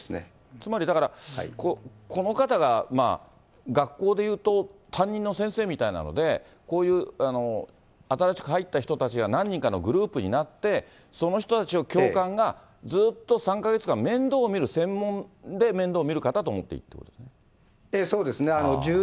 つまりだから、この方が学校でいうと、担任の先生みたいなので、こういう新しく入った人たちが何人かのグループになって、その人たちを教官がずっと３か月間面倒を見る、専門で面倒を見るそうですね。